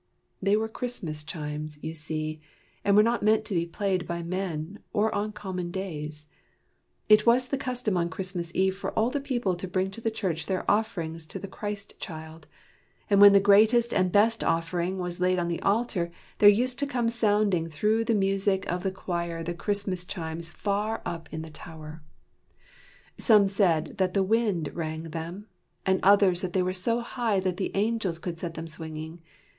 They were Christmas chimes, you see, and were not meant to be played by men or on common days. It was the custom on Christmas Eve for all the people to bring to the church their offerings to the Christ child; and when the greatest and best offering was laid on the altar, there used to come sounding through the music of the choir the Christmas chimes far up in 16 WHY THE CHIMES RANG the tower. Some said that the wind rang them, and others that they were so high that the angels could set them swinging.